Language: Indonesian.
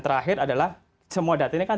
terakhir adalah semua data ini kan